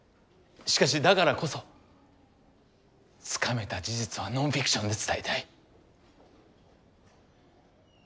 しかしだからこそつかめた事実はノンフィクションで伝えたい。